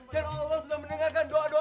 dan allah sudah mendengarkan doa doa abang nensi